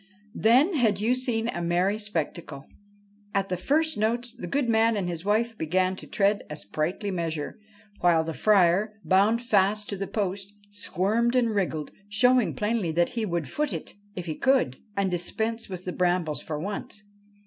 Then had you seen a merry spectacle ! At the first notes the good man and his wife began to tread a sprightly measure, while the Friar, bound fast to the post, squirmed and wriggled, showing plainly that he would foot it if he could, and dispense with the brambles for once.